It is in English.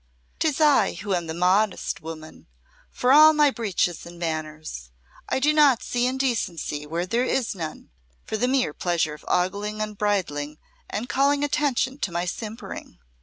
"'Tis I who am the modest woman for all my breeches and manners. I do not see indecency where there is none for the mere pleasure of ogling and bridling and calling attention to my simpering.